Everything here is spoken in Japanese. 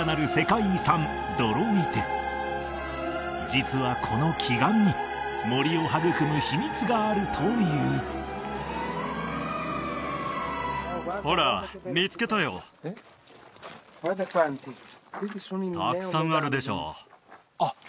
実はこの奇岩に森を育む秘密があるというたくさんあるでしょあっ